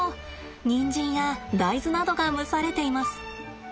人参や大豆などが蒸されています。